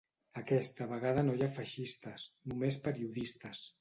Aquesta vegada no hi ha feixistes, només periodistes.